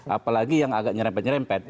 apalagi yang agak nyerempet nyerempet